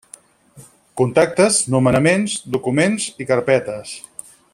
Contactes, Nomenaments, Documents i Carpetes.